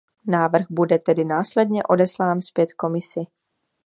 Návrh bude tedy následně odeslán zpět Komisi.